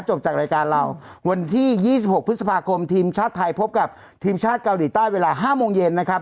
จากรายการเราวันที่๒๖พฤษภาคมทีมชาติไทยพบกับทีมชาติเกาหลีใต้เวลา๕โมงเย็นนะครับ